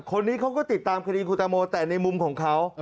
คนนี้เขาก็ติดตามคดีคุณตังโมแต่ในมุมของเขา